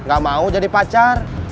gak mau jadi pacar